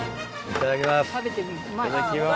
いただきます。